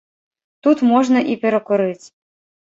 Тут можна і перакурыць.